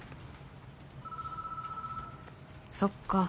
そっか。